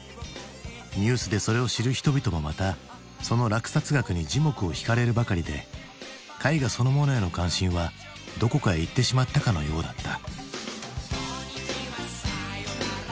ニュースでそれを知る人々もまたその落札額に耳目をひかれるばかりで絵画そのものへの関心はどこかへいってしまったかのようだった。